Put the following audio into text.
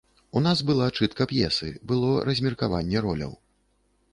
У нас была чытка п'есы, было размеркаванне роляў.